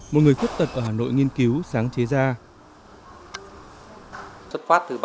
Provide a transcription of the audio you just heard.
một người khuyết tật ở hà nội nghiên cứu sáng chế ra